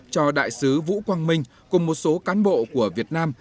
cho đại sứ vũ quang minh cùng một số cán bộ của việt nam